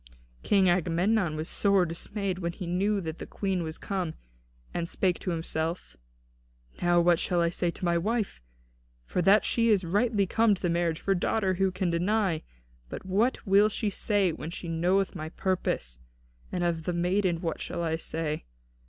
'" King Agamemnon was sore dismayed when he knew that the Queen was come, and spake to himself: "Now what shall I say to my wife? For that she is rightly come to the marriage of her daughter who can deny? But what will she say when she knoweth my purpose? And of the maiden, what shall I say?